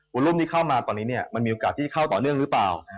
รุ่นที่เข้ามาตอนนี้เนี่ยมันมีโอกาสที่เข้าต่อเนื่องหรือเปล่า